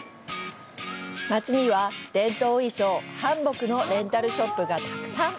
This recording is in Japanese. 街には、伝統衣装“韓服”のレンタルショップがたくさん！